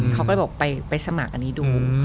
เขาก็เลยบอกไปสมัครอันนี้ดู